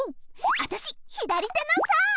あたしひだりてのさー！